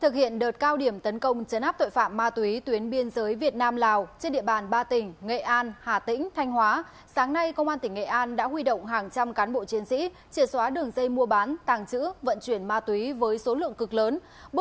các bạn hãy đăng ký kênh để ủng hộ kênh của chúng mình nhé